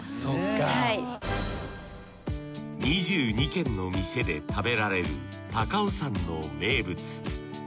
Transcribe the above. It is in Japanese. ２２軒の店で食べられる高尾山の名物。